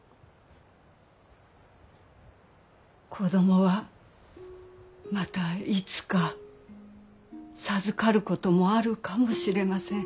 子供はまたいつか授かることもあるかもしれません。